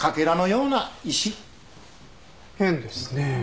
変ですねえ。